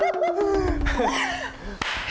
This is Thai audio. เป็นค่ะ